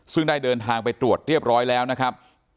ซึ่งได้เดินทางไปตรวจเรียบร้อยแล้วนะครับ